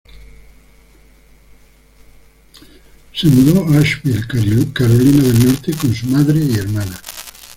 Se mudó a Asheville, Carolina del Norte con su madre y hermana.